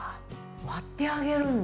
割ってあげるんだ。